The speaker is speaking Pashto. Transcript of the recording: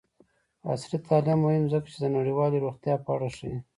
عصري تعلیم مهم دی ځکه چې د نړیوالې روغتیا په اړه ښيي.